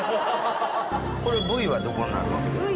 これ部位はどこになるわけですか？